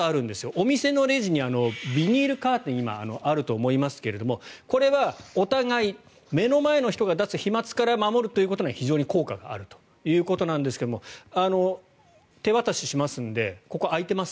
お店のレジにビニールカーテンが今、あると思いますがこれはお互い、目の前の人が出す飛まつから守るということは非常に効果があるということなんですが手渡ししますのでここが開いてます。